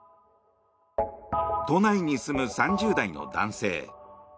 都内に住む３０代の男性。